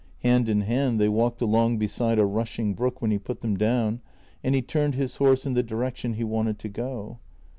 Hand in hand they walked along beside a rushing brook when he put them down, and he turned his horse in the direction he wanted to go.